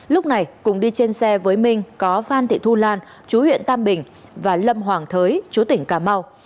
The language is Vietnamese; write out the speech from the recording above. lúc này cùng đi trên xe với minh có phan thị thu lan chú huyện tam bình và lâm hoàng thới chúa tỉnh cà mau